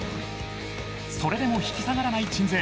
それでも引き下がらない鎮西。